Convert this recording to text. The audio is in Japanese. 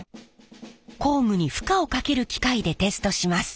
工具に負荷をかける機械でテストします。